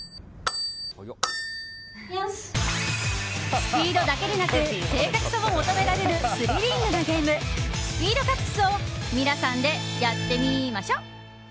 スピードだけでなく正確さも求められるスリリングなゲームスピードカップスを皆さんで、やってみましょ！